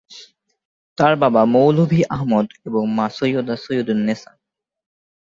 তার বাবা মৌলভী আহমদ এবং মা সৈয়দা সৈয়দুন্নেসা।